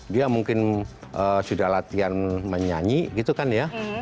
dia mungkin sudah latihan menyanyi gitu kan ya